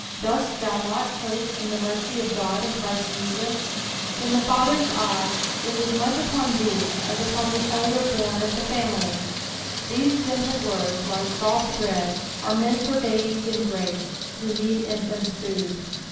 Dost thou not hope in the mercy of God in Christ Jesus t Then thg^ather's eye is as much upon thee as upon the elder born of the family, ^hese gentle words, like soft bread, ore meant for babca in grace, who need infants' food.')